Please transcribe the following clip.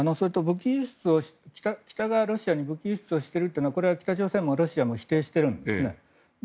それと北がロシアに武器輸出をしているというのは北朝鮮もロシアも否定してるんですね。